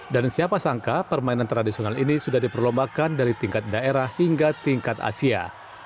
dan siapa sangka permainan tradisional ini sudah diperlombakan dari tingkat daerah hingga tingkat asia